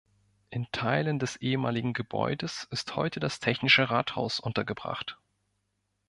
In Teilen des ehemaligen Gebäudes ist heute das Technische Rathaus untergebracht.